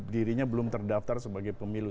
dirinya belum terdaftar sebagai pemilu